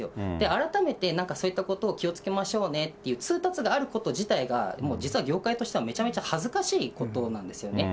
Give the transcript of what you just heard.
改めてなんかそういったことを気をつけましょうねって通達があること自体が、もう実は業界としてはめちゃめちゃ恥ずかしいことなんですよね。